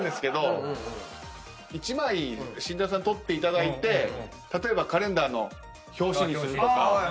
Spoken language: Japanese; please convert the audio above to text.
１枚慎太郎さんに撮っていただいて例えばカレンダーの表紙にするとか。